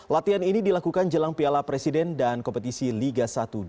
latihan ini dilakukan jelang piala presiden dan kompetisi liga satu dua ribu dua